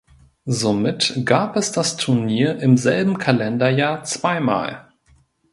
Somit gab es das Turnier im selben Kalenderjahr zweimal.